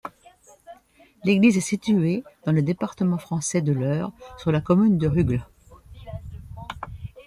L'église est située dans le département français de l'Eure, sur la commune de Rugles.